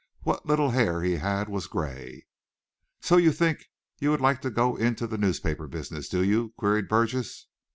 What little hair he had was gray. "So you think you would like to go into the newspaper business, do you?" queried Burgess.